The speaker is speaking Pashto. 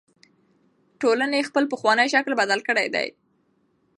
ټولنې خپل پخوانی شکل بدل کړی دی.